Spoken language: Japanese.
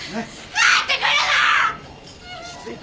入ってくるな！